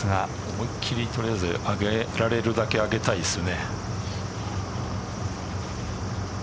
思いっきり、取りあえず上げられるだけ上げたいですね。